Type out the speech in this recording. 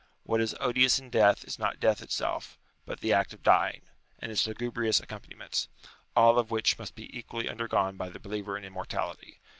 What is odious in death is not death itself, but the act of dying, and its lugubrious accompaniments : all of which must be equally undergone by the believer in immortality.